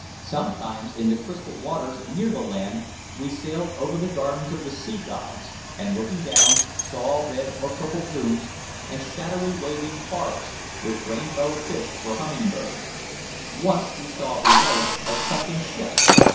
Sometimes, in the crystal waters near the land, we sailed over the gardens of the sea gods, and, looking down, saw red and purple blooms and shadowy waving forests, with rainbow fish for humming birds. Once we saw below us a sunken ship.